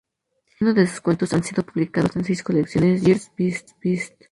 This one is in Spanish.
Algunos de sus cuentos han sido publicados en seis colecciones de Year's Best.